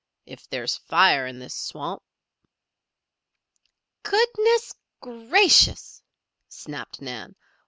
If there's fire in this swamp." "Goodness, gracious!" snapped Nan.